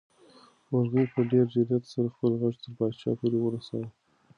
مرغۍ په ډېر جرئت سره خپل غږ تر پاچا پورې ورساوه.